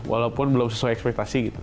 walaupun belum sesuai ekspektasi gitu